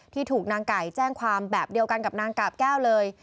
ถูกนางไก่แจ้งความแบบเดียวกันกับนางกาบแก้วเลย